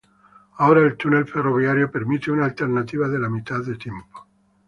Ahora el túnel ferroviario permite una alternativa de la mitad de tiempo.